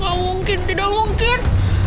tidak mungkin tidak mungkin